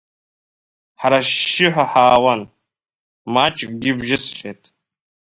Ҳара ашьшьыҳәа ҳаауан, маҷкгьы бжьысхьеит…